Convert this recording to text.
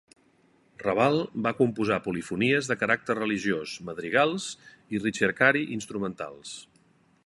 Raval va composar polifonies de caràcter religiós, madrigals i "ricercari" instrumentals.